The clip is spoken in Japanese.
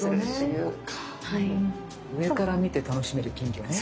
上から見て楽しめる金魚ね。